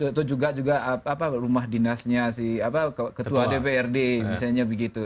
itu juga rumah dinasnya si ketua dprd misalnya begitu